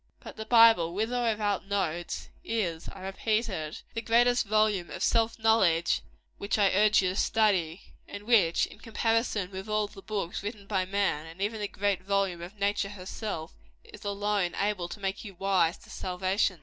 But the Bible, with or without notes, is I repeat it the great volume of self knowledge which I urge you to study, and which, in comparison with all the books written by man, and even the great volume of nature herself, is alone able to make you wise to salvation.